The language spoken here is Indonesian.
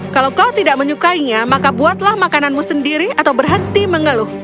kalau kau tidak menyukainya maka buatlah makananmu sendiri atau berhenti mengeluh